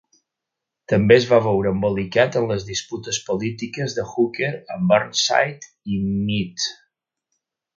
També es va veure embolicat en les disputes polítiques de Hooker amb Burnside i Meade.